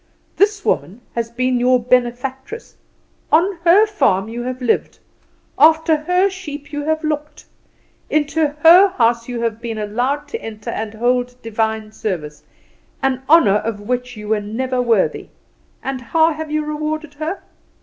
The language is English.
This woman has been your benefactress; on her farm you have lived; after her sheep you have looked; into her house you have been allowed to enter and hold Divine service an honour of which you were never worthy; and how have you rewarded her?